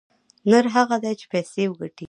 نر هغه دى چې پيسې وگټي.